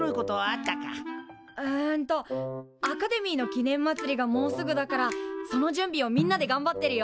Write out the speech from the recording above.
うんとアカデミーの記念まつりがもうすぐだからその準備をみんなでがんばってるよ。